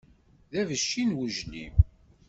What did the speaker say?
D abecci n wejlim.